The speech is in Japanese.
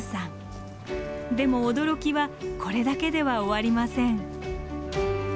でも驚きはこれだけでは終わりません。